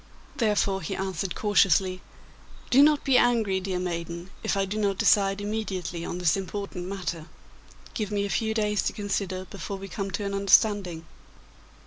Therefore he answered cautiously, 'Do not be angry, dear maiden, if I do not decide immediately on this important matter. Give me a few days to consider before we come to an understanding.